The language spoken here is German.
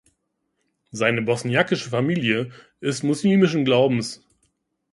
Seine bosniakische Familie ist muslimischen Glaubens.